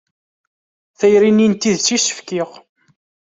Tayri-nni n tidett i s-fkiɣ.